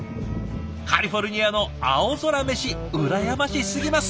カリフォルニアの青空メシ羨ましすぎます。